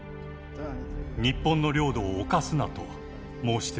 日本の領土を侵すなと申しております。